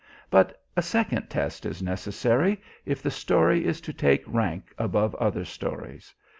But a second test is necessary if the story is to take rank above other stories.